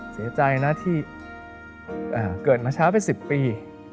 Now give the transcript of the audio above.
เสียใจนะที่เกิดมาเช้าเป็น๑๐ปี